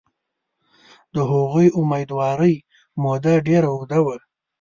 د هغوی امیندوارۍ موده ډېره اوږده وه.